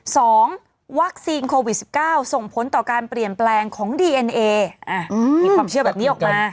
สองวัคซีนโควิดสิบเก้าส่งผลต่อการเปลี่ยนแปลงของดีเอ็นเอมีความเชื่อแบบนี้ออกมา